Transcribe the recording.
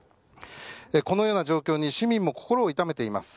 このような状況に市民も心を痛めています。